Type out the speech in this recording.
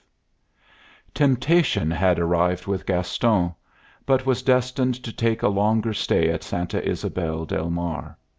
V Temptation had arrived with Gaston, but was destined to make a longer stay at Santa Ysabel del Mar.